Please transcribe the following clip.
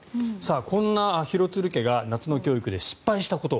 こんな廣津留家が夏の教育で失敗したこと。